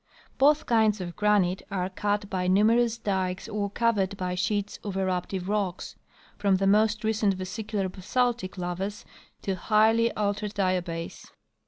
Both kinds of granite are jcut by numerous dikes or covered by sheets of eruptive rocks, from the most recent vesicular basaltic lavas to highly altered diabase.